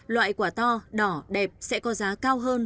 loại quả to đỏ đẹp sẽ có giá cao hơn